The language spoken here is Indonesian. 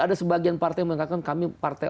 ada sebagian partai yang mengatakan kami partai